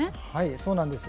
そうなんです。